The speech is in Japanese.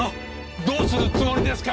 どうするつもりですか？